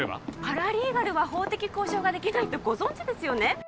パラリーガルは法的交渉ができないってご存じですよね？